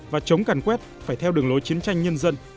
và chống càn quét phải theo đường lối chiến tranh nhân dân